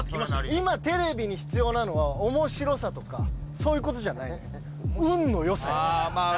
今テレビに必要なのは面白さとかそういうことじゃないまあ